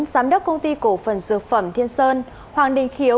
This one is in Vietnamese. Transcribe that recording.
giám đốc công ty cổ phần dược phẩm thiên sơn hoàng đình khiếu